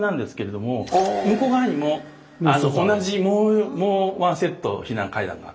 向こう側にも同じもう１セット避難階段が。